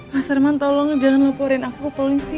mas herman tolong jangan laporin aku ke polisi